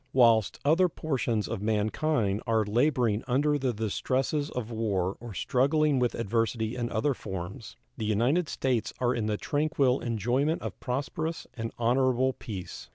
Whilst other portions of mankind are laboring under the distresses of war or struggling with adversity in other forms, the United States are in the tranquil enjoyment of prosperous and honorable peace.